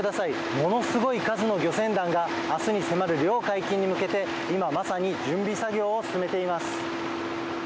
ものすごい数の漁船団が明日に迫る漁解禁に向けて今まさに準備作業を進めています。